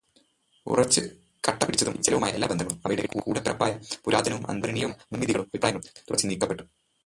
ഉറച്ചു കട്ടപിടിച്ചതും നിശ്ചലവുമായ എല്ലാ ബന്ധങ്ങളും അവയുടെ കൂടപ്പിറപ്പായ പുരാതനവും ആദരണീയവുമായ മുൻവിധികളും അഭിപ്രായങ്ങളും തുടച്ചുനീക്കപ്പെടുന്നു.